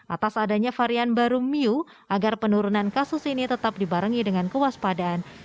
atas adanya varian baru mu agar penurunan kasus ini tetap dibarengi dengan kewaspadaan